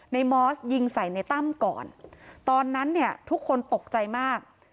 มอสยิงใส่ในตั้มก่อนตอนนั้นเนี่ยทุกคนตกใจมาก